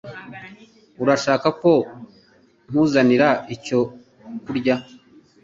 Urashaka ko nkuzanira icyo kurya?